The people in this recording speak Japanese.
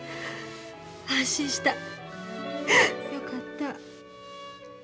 安心した。よかった。